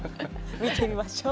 見てみましょう。